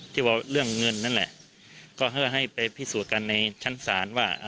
ที่บอกเรื่องเงินนั่นแหละก็เพื่อให้ไปพิสูจน์กันในชั้นศาลว่า